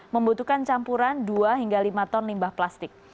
membutuhkan campuran dua hingga lima ton limbah plastik